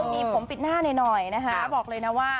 มีผมปิดหน้าหน่อยนะคะบอกเลยนะว่า